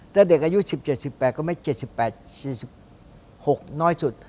ถ้าเด็กอายุ๑๗๑๘ก็ไม่๗๘๔๖น้อยสุด